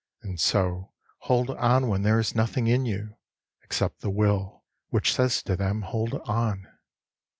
And so hold on when there is nothing in you Except the Will which says to them: 'Hold on!'